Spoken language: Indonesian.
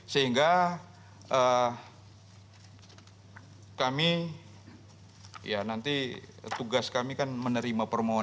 sehingga kami ya nanti tugas kami kan menerima permohonan